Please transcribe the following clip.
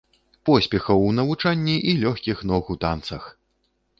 Поспехаў у навучанні і лёгкіх ног у танцах!